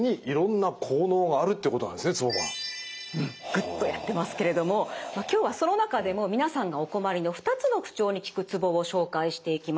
グッとやってますけれども今日はその中でも皆さんがお困りの２つの不調に効くツボを紹介していきます。